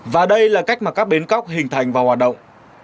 và đây là cách mà các bến cóc hình thành và hoạt động